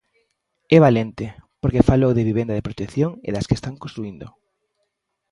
É valente, porque falou de vivenda de protección e das que están construíndo.